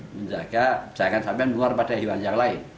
menjaga jangan sampai menular pada hewan yang lain